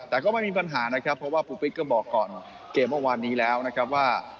แต่ก็ไม่มีปัญหานะครับเพราะว่าปูปิ๊กก็บอกก่อนเกมเมื่อวานนี้แล้วนะครับว่า